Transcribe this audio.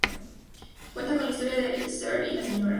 Cuenta la historia de el Sr. y la Sra.